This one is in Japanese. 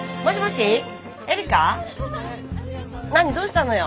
何どうしたのよ？